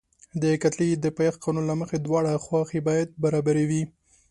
د کتلې د پایښت قانون له مخې دواړه خواوې باید برابرې وي.